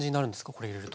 これ入れると。